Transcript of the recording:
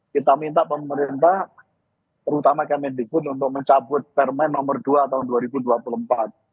kita minta pemerintah terutama kemendikbud untuk mencabut permen nomor dua tahun dua ribu dua puluh empat